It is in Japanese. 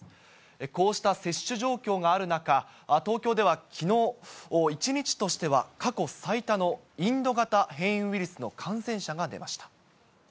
こうした接種状況がある中、東京ではきのう、１日としては過去最多のインド型変異ウイルスの感染者が出ました。